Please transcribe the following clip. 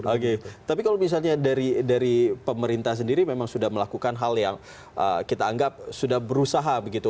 oke tapi kalau misalnya dari pemerintah sendiri memang sudah melakukan hal yang kita anggap sudah berusaha begitu